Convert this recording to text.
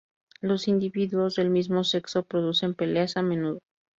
Los individuos del mismo sexo producen peleas a menudo.